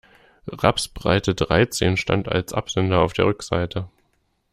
Rapsbreite dreizehn stand als Absender auf der Rückseite.